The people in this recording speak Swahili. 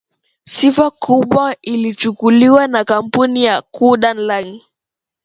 sifa kubwa ilichukuliwa na kampuni ya cunard line